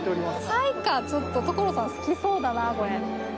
菜香ちょっと所さん好きそうだなこれ。